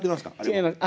違います